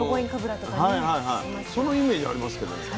そのイメージありますけどこ